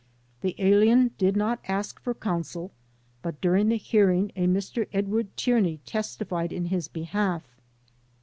The alien did not ask for counsel, but during the hearing a Mr. Edward Tiemey testified in his behalf.